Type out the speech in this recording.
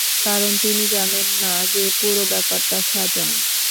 কারণ তিনি জানেন না যে পুরো ব্যাপারটা সাজানো।